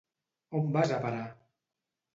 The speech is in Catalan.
On vas a parar!